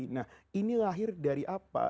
nah ini lahir dari apa